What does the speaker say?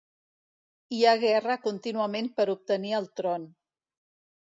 Hi ha guerra contínuament per obtenir el tron.